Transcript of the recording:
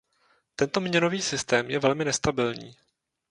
Tento měnový systém je velmi nestabilní.